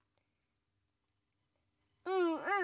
うんうん！